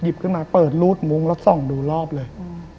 ขึ้นมาเปิดรูดมุ้งแล้วส่องดูรอบเลย